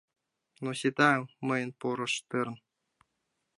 “Но сита, мыйын поро Штерн!..